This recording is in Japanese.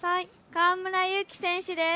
河村勇輝選手です。